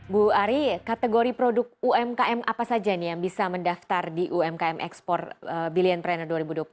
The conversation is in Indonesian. bu ari kategori produk umkm apa saja nih yang bisa mendaftar di umkm ekspor brilliant pranner dua ribu dua puluh satu